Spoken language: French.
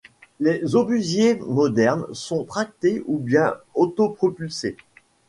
Les obusiers modernes sont tractés ou bien autopropulsés.